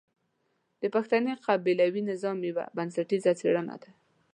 د پښتني قبيلوي نظام يوه بنسټيزه څېړنه ده.